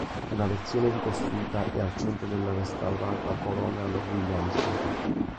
Una versione ricostruita è al centro della restaurata Colonial Williamsburg.